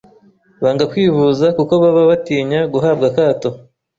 banga kwivuza kuko baba batinya guhabwa akato.